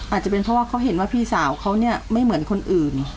อาจจะเป็นเพราะว่าเขาเห็นว่าพี่สาวเขาเนี่ยไม่เหมือนคนอื่น